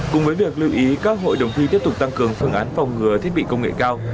cùng với việc lưu ý các hội đồng thi tiếp tục tăng cường phương án phòng ngừa thiết bị công nghệ cao